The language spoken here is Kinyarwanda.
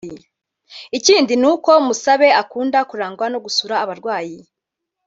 Ikindi ni uko Musabe akunda kurangwa no gusura abarwayi